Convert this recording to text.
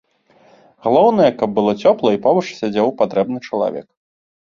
Галоўнае, каб было цёпла і побач сядзеў патрэбны чалавек!